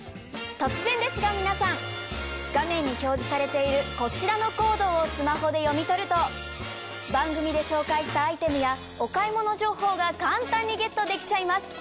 突然ですが皆さん画面に表示されているこちらのコードをスマホで読み取ると番組で紹介したアイテムやお買い物情報が簡単にゲットできちゃいます。